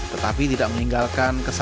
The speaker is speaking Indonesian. tetapi tidak meninggalkan kemampuan